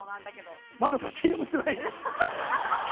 まだ差し入れもしてないし。